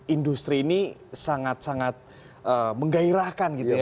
industri ini sangat sangat menggairahkan